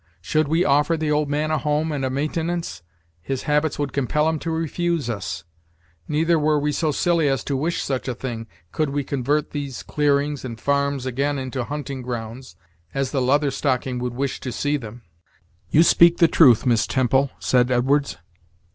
Should we offer the old man a home' and a maintenance, his habits would compel him to refuse us. Neither were we so silly as to wish such a thing, could we convert these clearings and farms again into hunting grounds, as the Leather Stocking would wish to see them." "You speak the truth, Miss Temple," said Edwards.